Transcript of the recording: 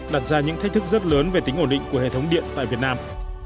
đặt ra những thách thức rất lớn về tính ổn định của hệ thống điện tại việt nam